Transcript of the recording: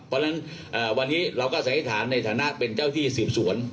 เพราะฉะนั้นวันนี้เราก็สันนิษฐานในฐานะเป็นเจ้าที่สืบสวน